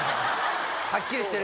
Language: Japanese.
はっきりしてる。